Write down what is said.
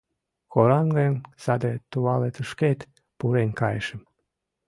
Кораҥын, саде тувалетышкет пурен кайышым.